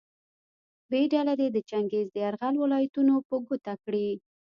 ب ډله دې د چنګیز د یرغل ولایتونه په ګوته کړي.